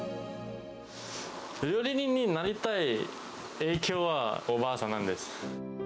料理人になりたい影響は、おばあさんなんです。